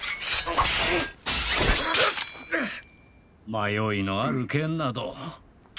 迷いのある剣など効かぬ。